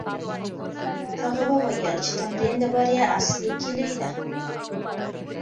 هغه وویل چې تمرين د بریا اصلي کیلي ده.